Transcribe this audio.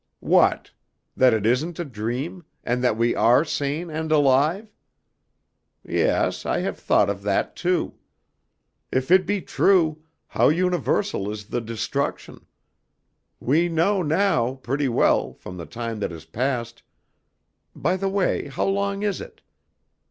"What? That it isn't a dream, and that we are sane and alive? Yes, I have thought of that too. If it be true, how universal is the destruction? We know now, pretty well, from the time that has passed, by the way, how long is it?"